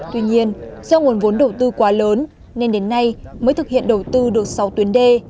tuy nhiên do nguồn vốn đầu tư quá lớn nên đến nay mới thực hiện đầu tư được sáu tuyến đê